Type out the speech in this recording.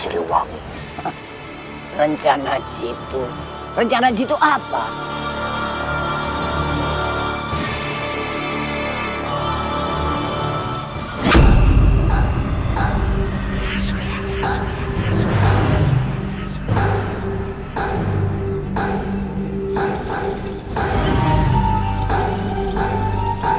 rencana ji itu rencana ji itu apa